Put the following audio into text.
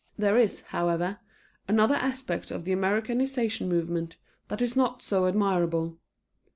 There is, however, another aspect of the Americanization movement, that is not so admirable.